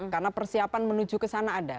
karena persiapan menuju ke sana ada